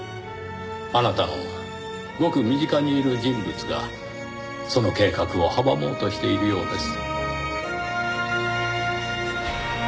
あなたのごく身近にいる人物がその計画を阻もうとしているようです。